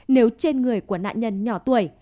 nếu trên người của nạn nhân nhỏ tuổi